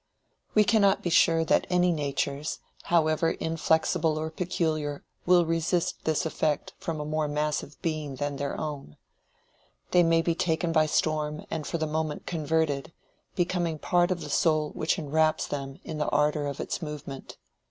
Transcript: We cannot be sure that any natures, however inflexible or peculiar, will resist this effect from a more massive being than their own. They may be taken by storm and for the moment converted, becoming part of the soul which enwraps them in the ardor of its movement.